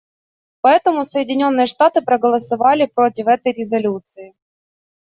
Поэтому Соединенные Штаты проголосовали против этой резолюции.